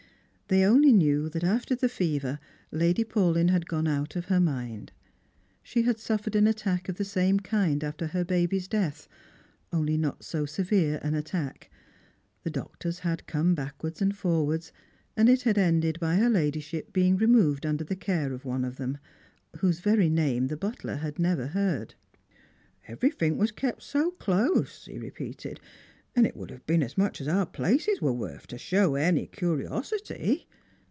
They only knew that after the fever Lady Paulyn had gone out of her mind. She had suffered an attack of the same kind after her baby's death — only not so severe an attack. The rtg2 Strangers and Pilffinms. dottors had come backwards and forwards, and it had ended by her ladyship being removed under the care of one of them— whose very name the butler had never heard. " Everythink was kep 80 close," he repeated; "and it would have been as much as our places were worth to show any euros sity."